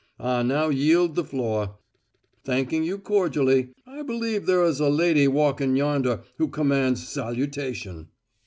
I now yield the floor. Thanking you cordially, I believe there is a lady walking yonder who commands salutation."